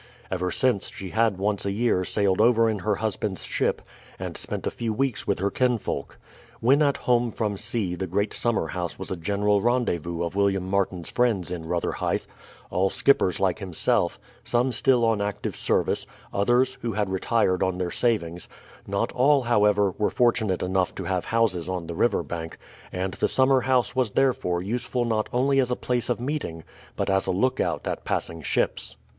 Ever since, she had once a year sailed over in her husband's ship, and spent a few weeks with her kinsfolk. When at home from sea the great summer house was a general rendezvous of William Martin's friends in Rotherhithe, all skippers like himself, some still on active service, others, who had retired on their savings; not all, however, were fortunate enough to have houses on the river bank; and the summer house was therefore useful not only as a place of meeting but as a lookout at passing ships.